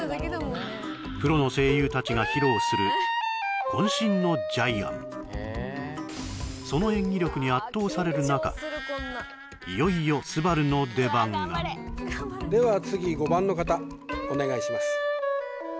プロの声優たちが披露する渾身のジャイアンその演技力に圧倒される中いよいよ昴の出番がでは次５番の方お願いします